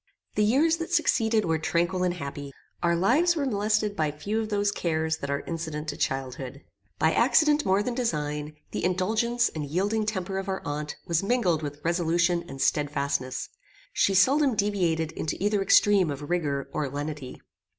The years that succeeded were tranquil and happy. Our lives were molested by few of those cares that are incident to childhood. By accident more than design, the indulgence and yielding temper of our aunt was mingled with resolution and stedfastness. She seldom deviated into either extreme of rigour or lenity.